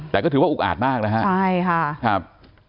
แต่ก็ถือว่าอุ้กอาดมากนะครับ